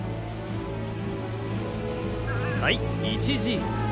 はい１Ｇ。